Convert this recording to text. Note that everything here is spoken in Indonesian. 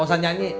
gak usah nyanyi